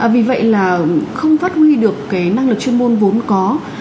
vì vậy là không phát huy được cái năng lực chuyên môn vốn có